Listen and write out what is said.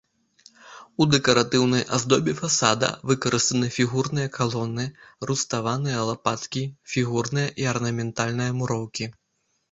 У дэкаратыўнай аздобе фасада выкарыстаны фігурныя калоны, руставаныя лапаткі, фігурная і арнаментальная муроўкі.